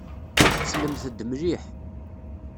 Slemt-d mliḥ.